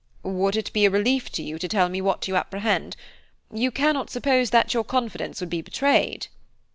"Would it be a relief to you to tell me what you apprehend? You cannot suppose that your confidence would be betrayed."